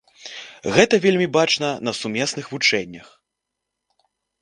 Гэта вельмі бачна на сумесных вучэннях.